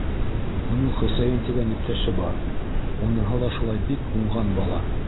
Уның Хөсәйен тигән иптәше бар, уныһы ла шулай, бик уңған бала.